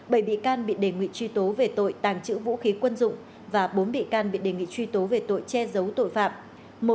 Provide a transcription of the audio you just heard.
bảy bị can bị đề nghị truy tố về tội tàng trữ vũ khí quân dụng và bốn bị can bị đề nghị truy tố về tội che giấu tội phạm